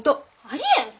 ありえん！